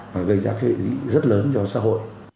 và gây ra cái hệ lị rất lớn cho xã hội